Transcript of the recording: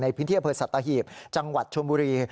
ในพิเศษเผลอสัตว์ตาหีบจังหวัดชมบุรี